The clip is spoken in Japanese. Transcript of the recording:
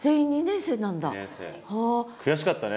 悔しかったね